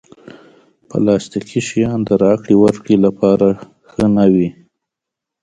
پلاستيکي شیان د راکړې ورکړې لپاره ښه نه وي.